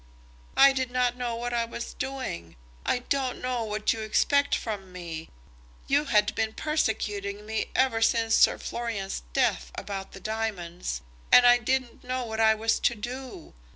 "I did not know what I was doing. I don't know what you expect from me. You had been persecuting me ever since Sir Florian's death about the diamonds, and I didn't know what I was to do.